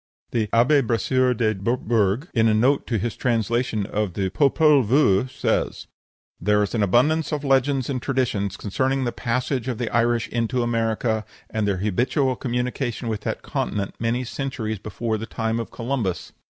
The Abbé Brasseur de Bourbourg, in a note to his translation of the "Popol Vuh," says: "There is an abundance of legends and traditions concerning the passage of the Irish into America, and their habitual communication with that continent many centuries before the time of Columbus.